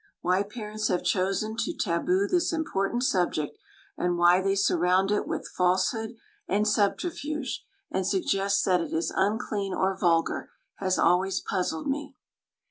Why parents have chosen to taboo this important subject, and why they surround it with falsehood and subterfuge, and suggest that it is unclean or vulgar, has always puzzled me.